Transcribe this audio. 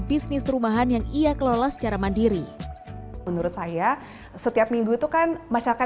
bisnis rumahan yang ia kelola secara mandiri menurut saya setiap minggu itu kan masyarakat